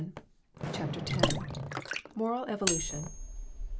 133 CHAPTER X. MORAL EVOLUTION.